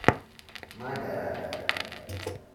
My bad!